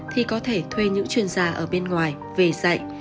thì có thể thuê những chuyên gia ở bên ngoài về dạy